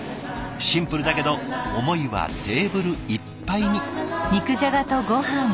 シンプルだけど思いはテーブルいっぱいに。